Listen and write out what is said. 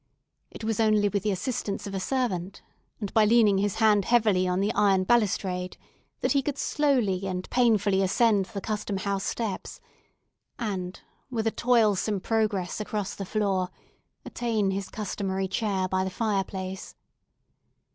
It was only with the assistance of a servant, and by leaning his hand heavily on the iron balustrade, that he could slowly and painfully ascend the Custom House steps, and, with a toilsome progress across the floor, attain his customary chair beside the fireplace.